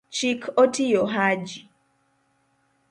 chik otiyo Haji